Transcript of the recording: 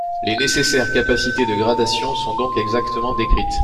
Les nécessaires capacités de gradation sont donc exactement décrites.